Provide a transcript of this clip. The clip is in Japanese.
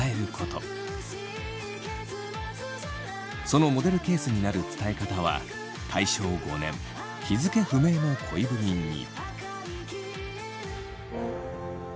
そのモデルケースになる伝え方は大正５年日付不明の恋文に。